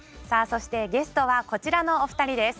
そしてゲストはこちらのお二人です。